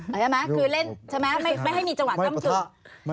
อร่อยไหมคือเล่นใช่ไหมไม่ให้มีจังหวังต้นครับไม่ประทะ